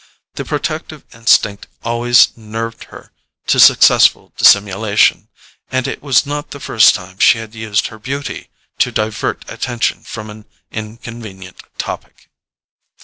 The protective instinct always nerved her to successful dissimulation, and it was not the first time she had used her beauty to divert attention from an inconvenient topic.